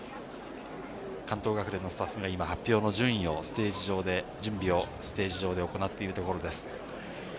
関東学連のスタッフが発表の順位をステージ上で行っているところです。